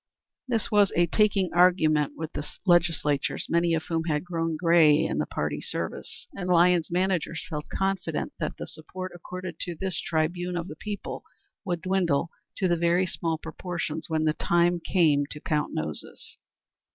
This was a taking argument with the legislators, many of whom had grown gray in the party service, and Lyons's managers felt confident that the support accorded to this tribune of the people would dwindle to very small proportions when the time came to count noses.